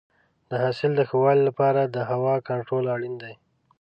د حاصل د ښه والي لپاره د هوا کنټرول اړین دی.